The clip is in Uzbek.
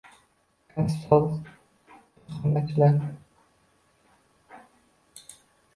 Kasbiga sodiq bojxonachilar